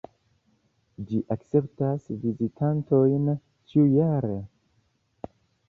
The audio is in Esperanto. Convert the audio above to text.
Ĝi akceptas vizitantojn ĉiujare.